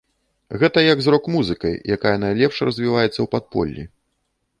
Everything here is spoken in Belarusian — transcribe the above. Гэта як з рок-музыкай, якая найлепш развіваецца ў падполлі.